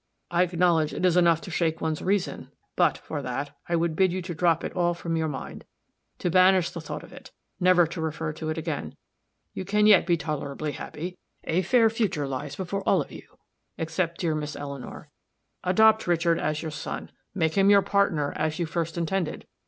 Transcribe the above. I acknowledge it is enough to shake one's reason; but, for that, I would bid you to drop it all from your mind to banish the thought of it never to refer to it again. You can yet be tolerably happy. A fair future lies before all of you, except dear Miss Eleanor. Adopt Richard as your son, make him your partner, as you first intended.